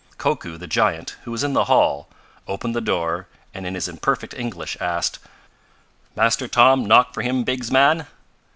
Koku, the giant, who was in the hall, opened the door and in his imperfect English asked: "Master Tom knock for him bigs man?"